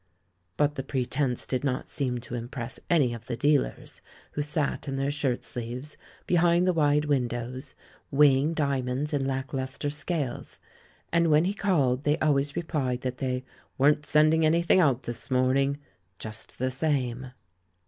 But the pretence did not seem to impress any of the dealers, who sat in their shirt sleeves, behind the wide windows, weighing diamonds in lack lustre scales; and when he called, they al ways replied that they "weren't sending any thing out this morning," just the same.